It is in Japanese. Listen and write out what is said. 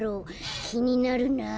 きになるなあ。